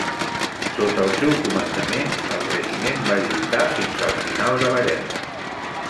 Sota el seu comandament, el regiment va lluitar fins al final de la guerra.